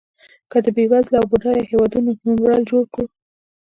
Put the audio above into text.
که د بېوزلو او بډایو هېوادونو نوملړ جوړ کړو.